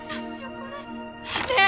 これねえ！